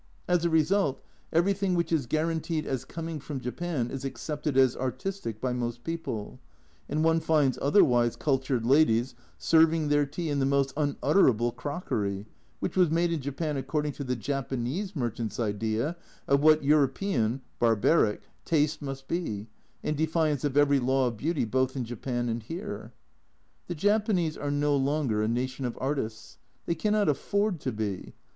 " As a result, everything which is guaranteed as coming from Japan is accepted as artistic by most people, and one finds otherwise cultured ladies serving their tea in the most unutter able crockery, which was made in Japan according to the Japanese merchant's idea of what European (barbaric) taste must be, in defiance of every law of beauty both in Japan and here. The Japanese are no longer a nation of artists. They cannot afford to be.